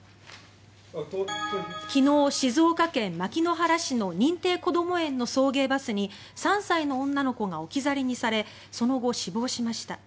昨日、静岡県牧之原市の認定こども園の送迎バスに３歳の女の子が置き去りにされその後、死亡しました。